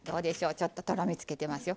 ちょっととろみつけてますよ。